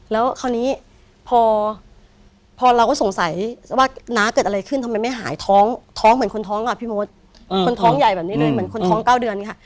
แล้วคราวนี้พอเราก็สงสัยว่าน้าเกิดอะไรขึ้นทำไมไม่หายท้องท้องเหมือนคนท้องอ่ะพี่มดคนท้องใหญ่แบบนี้เลยเหมือนคนท้อง๙เดือนค่ะ